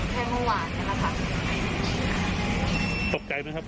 แค่เมื่อวานใช่ไหมคะตกใจไหมครับ